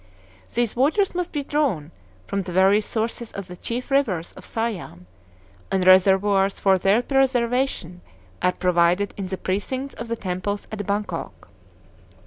These waters must be drawn from the very sources of the chief rivers of Siam; and reservoirs for their preservation are provided in the precincts of the temples at Bangkok.